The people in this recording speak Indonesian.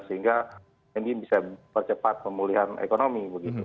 sehingga ini bisa percepat pemulihan ekonomi